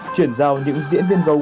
chuyển giao những diễn viên gấu